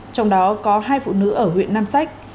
trong đó có hai phụ nữ ở huyện nam sách